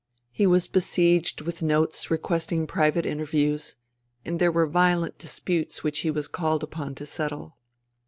He was besieged with notes requesting private inter views, and there were violent disputes which he was called upon to settle.